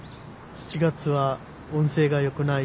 ７月は運勢がよくない。